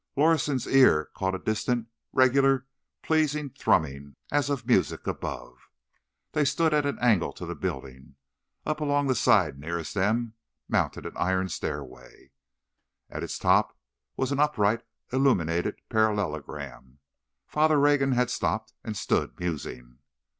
Lorison's ear caught a distant, regular, pleasing thrumming, as of music above. They stood at an angle of the building. Up, along the side nearest them, mounted an iron stairway. At its top was an upright, illuminated parallelogram. Father Rogan had stopped, and stood, musing.